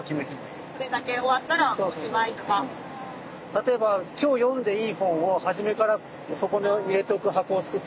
例えば今日読んでいい本を初めからそこに入れておく箱を作っとくとか。